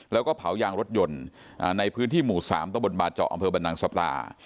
แล้วก็เผายางรถยนต์ในพื้นที่หมู่๓ตะบนบาเจาะอำเภอบรรนังสปลา